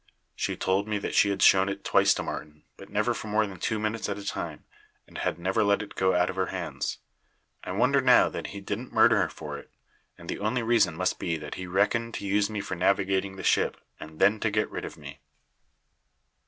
She told me that she had shown it twice to Martin, but never for more than two minutes at a time, and had never let it go out of her hands. I wonder now that he didn't murder her for it; and the only reason must be that he reckoned to use me for navigating the ship, and then to get rid of me.